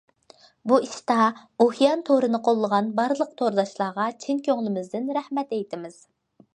بۇ ئىشتا ئوكيان تورىنى قوللىغان بارلىق تورداشلارغا چىن كۆڭلىمىزدىن رەھمەت ئېيتىمىز.